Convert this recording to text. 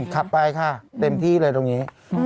ขับไปค่ะเต็มที่เลยตรงนี้